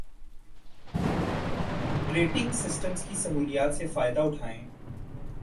پریٹنگ systems کی سہولیات سے فائدہ اٹھائیں